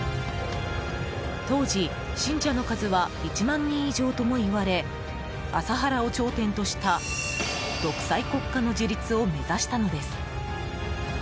当時、信者の数は１万人以上ともいわれ麻原を頂点とした独裁国家の樹立を目指したのです。